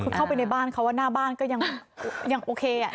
คือเข้าไปในบ้านเขาว่าหน้าบ้านก็ยังโอเค